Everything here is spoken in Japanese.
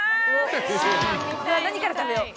何から食べよう？